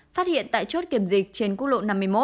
phát hiện tại chốt kiểm dịch trên quốc lộ năm mươi một